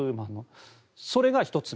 それが１つ目。